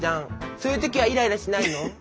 そういう時はイライラしないの？